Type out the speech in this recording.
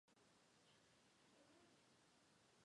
之后记得发讯息